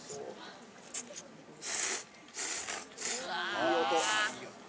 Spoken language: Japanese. ・いい音！